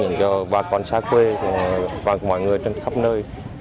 để cho bà con xa quê và mọi người trên khắp nơi